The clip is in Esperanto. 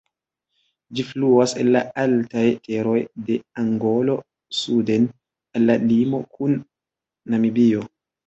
Ĝi fluas el la altaj teroj de Angolo suden al la limo kun Namibio.